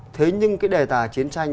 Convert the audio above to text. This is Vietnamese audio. thế nhưng cái đề tài chiến tranh